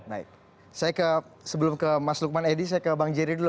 baik saya sebelum ke mas lukman edi saya ke bang jerry dulu